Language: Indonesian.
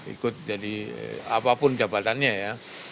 ikut jadi apapun jabatannya ya